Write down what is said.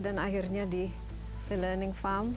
dan akhirnya di the learning farm